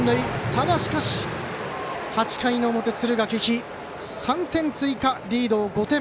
ただしかし８回の表、敦賀気比３点追加、リードを５点。